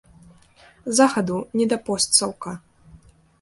Захаду не да постсаўка.